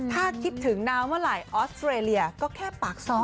ถ้าคิดถึงน้ำเมื่อไหร่ออสเตรเลียก็แค่ปากซ้อ